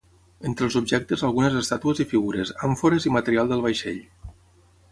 Entre els objectes algunes estàtues i figures, àmfores i material del vaixell.